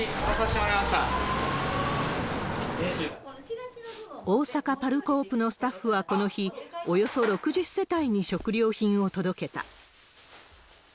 おおさかパルコープのスタッフはこの日、およそ６０世帯に食料品を届けた。